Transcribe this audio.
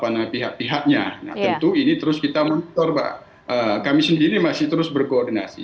nah tentu ini terus kita mentor pak kami sendiri masih terus berkoordinasi